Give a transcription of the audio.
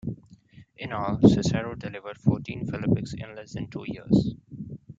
In all, Cicero delivered fourteen Phillipics in less than two years.